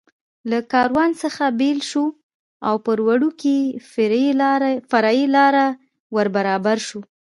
له کاروان څخه بېل شو او پر وړوکې فرعي لار ور برابر شو.